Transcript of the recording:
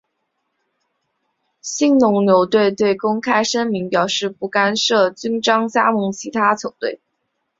兴农牛队对此公开声明表示不干涉叶君璋加盟其他球队。